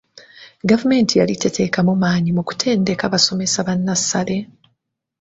Gavumenti yali teteekamu maanyi mu kutendeka basomesa ba nnassale.